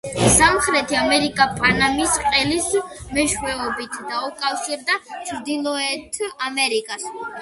სამხრეთი ამერიკა პანამის ყელის მეშვეობით დაუკავშირდა ჩრდილოეთ ამერიკას.